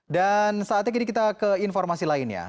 dan saatnya kita ke informasi lainnya